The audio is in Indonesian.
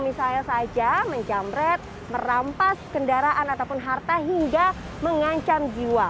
misalnya saja menjamret merampas kendaraan ataupun harta hingga mengancam jiwa